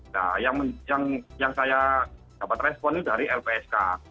nah yang saya dapat respon itu dari lpsk